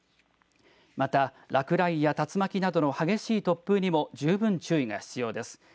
また落雷や竜巻などの激しい突風にも十分注意が必要です。